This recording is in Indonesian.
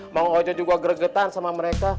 mauja juga gregetan sama mereka